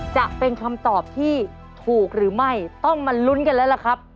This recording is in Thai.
จะเป็นคำตอบที่ถูกหรือไม่ต้องมาลุ้นกันแล้วล่ะครับ